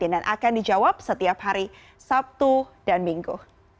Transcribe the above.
akan dijawab setiap hari sabtu dan minggu